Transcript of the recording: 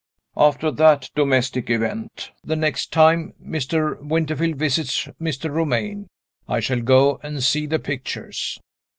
After that domestic event, the next time Mr. Winterfield visits Mr. Romayne, I shall go and see the pictures."